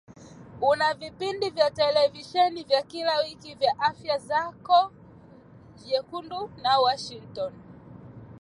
una vipindi vya televisheni vya kila wiki vya Afya Yako Zulia Jekundu na Washingotn